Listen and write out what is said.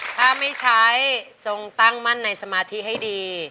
ถ้าไม่ใช้จงตั้งมั่นในสมาธิให้ดี